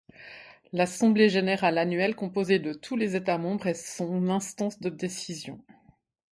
L’assemblée générale annuelle composée de tous les états membres est son instance de décision.